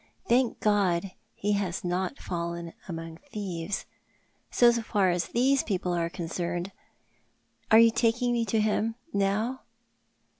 "Thank God, he has not fallen among thieves— so far as these people are concerned. Are you taking mc to him — now